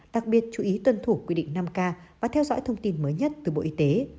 đặc biệt chú ý tuân thủ quy định năm k và theo dõi thông tin mới nhất từ bộ y tế